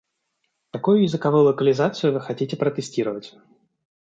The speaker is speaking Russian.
Какую языковую локализацию вы хотите протестировать?